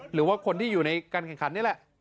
หรือว่าคนที่อยู่ในการแข่งขันนี่แหละ